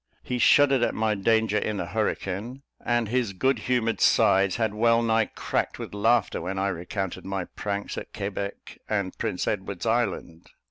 He shuddered at my danger in the hurricane, and his good humoured sides had well nigh cracked with laughter when I recounted my pranks at Quebec and Prince Edward's Island.